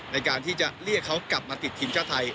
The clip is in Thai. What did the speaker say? ในการที่จะเรียกเขากลับมาติดทีมชาติไทย